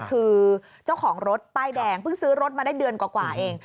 คือเจ้าของรถป้ายแดงเพิ่งซื้อรถมาได้เดือนกว่าเอง